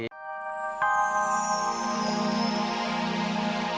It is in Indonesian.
lama lama disini juga jadi